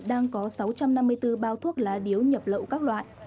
đang có sáu trăm năm mươi bốn bao thuốc lá điếu nhập lậu các loại